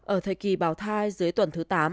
ở thời kỳ bào thai dưới tuần thứ tám